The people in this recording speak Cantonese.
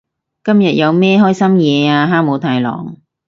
今日有咩開心嘢啊哈姆太郎？